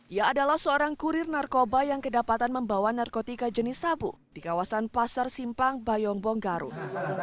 ia adalah seorang kurir narkoba yang kedapatan membawa narkotika jenis sabu di kawasan pasar simpang bayombong garut